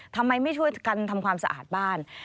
ทำไมไม่ช่วยกันทำความสะอาดบ้าน